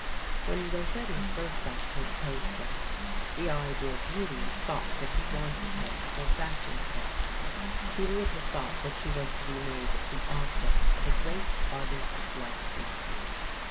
When Rossetti first asked her to pose for him the ideal beauty thought that he wanted her for fashion plates. She little thought that she was to be made the object of a great artist's lifework.